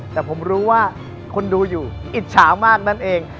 แต่ผมรู้ว่าคนดูอยู่อิจฉามากนั่นเอง